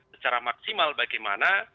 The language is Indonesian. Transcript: secara maksimal bagaimana